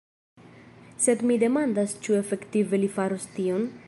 Sed mi demandas ĉu efektive li faros tion?